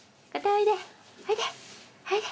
おいで！